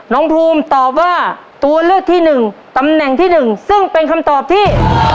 น้องภูมิตอบว่าตัวเลือกที่หนึ่งตำแหน่งที่๑ซึ่งเป็นคำตอบที่